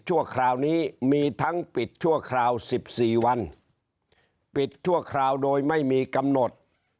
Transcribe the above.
คราวนี้มีทั้งปิดชั่วคราว๑๔วันปิดชั่วคราวโดยไม่มีกำหนด